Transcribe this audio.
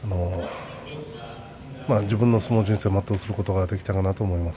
自分の相撲人生を全うできたかなと思います。